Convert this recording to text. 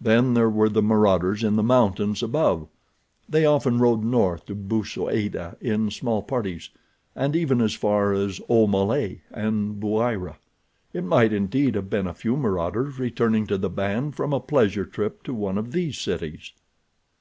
Then there were the marauders in the mountains above—they often rode north to Bou Saada in small parties, and even as far as Aumale and Bouira. It might indeed have been a few marauders returning to the band from a pleasure trip to one of these cities.